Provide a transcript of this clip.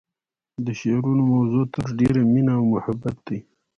د شعرونو موضوع تر ډیره مینه او محبت دی